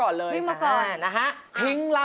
โอ้โห